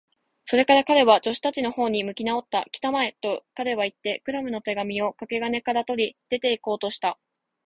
それから彼は、助手たちのほうに向きなおった。「きたまえ！」と、彼はいって、クラムの手紙をかけ金から取り、出ていこうとした。